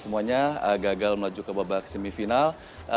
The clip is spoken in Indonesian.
mampu melaju ke babak semifinal